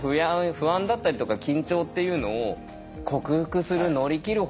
不安だったりとか緊張っていうのを克服する乗り切る